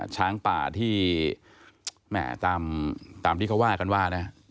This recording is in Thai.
ช้างป่าที่แม่ตามที่เขาว่ากันว่านะ